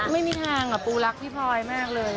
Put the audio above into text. ไม่มีทางปูรักพี่พลอยมากเลย